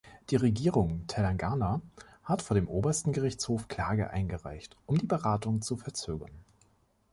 Die Regierung Telangana hat vor dem Obersten Gerichtshof Klage eingereicht, um die Beratung zu verzögern.